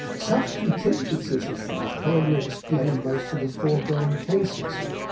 Such contingencies as these probably explain most of the foregoing cases. (8.